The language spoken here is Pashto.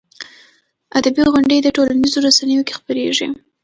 ادبي غونډې په ټولنیزو رسنیو کې خپرېږي.